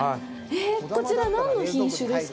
こちら何の品種ですか？